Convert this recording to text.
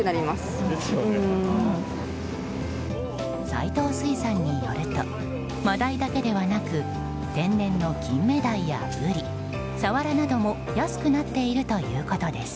斉藤水産によるとマダイだけではなく天然のキンメダイやブリサワラなども安くなっているということです。